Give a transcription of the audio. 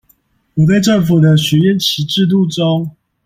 我在政府的許願池制度中